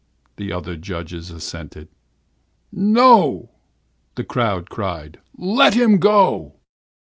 the other judges assented. "'No,' the crowd cried. 'Let him go!